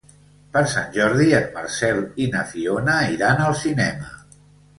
Per Sant Jordi en Marcel i na Fiona iran al cinema.